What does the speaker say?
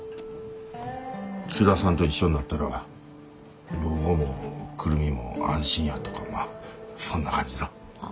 津田さんと一緒になったら老後も久留美も安心やとかまあそんな感じの。は？